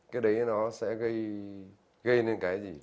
cái đấy nó sẽ gây lên cái gì